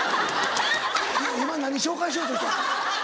今何紹介しようとした？